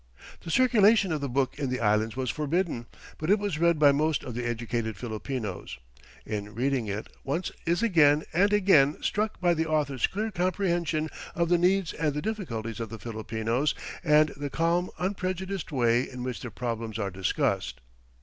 The circulation of the book in the Islands was forbidden, but it was read by most of the educated Filipinos. In reading it, one is again and again struck by the author's clear comprehension of the needs and the difficulties of the Filipinos, and the calm, unprejudiced way in which their problems are discussed.